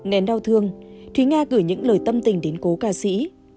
nén đau thương thúy nga gửi những lời tâm tình đến cố ca sĩ